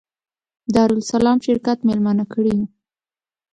دارالسلام شرکت مېلمانه کړي یو.